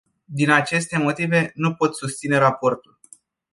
Din aceste motive, nu pot susține raportul.